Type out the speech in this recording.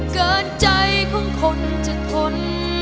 เกินใจของคนจะทน